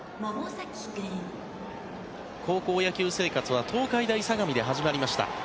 高校野球生活は東海大相模で始まりました。